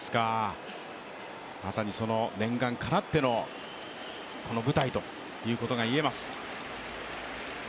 まさにその念願かなっての、この舞台ということが言えます。